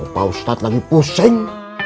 pak ustadz lagi pusing